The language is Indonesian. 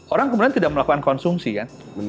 orang kebetulan tidak melakukan konsumsi ya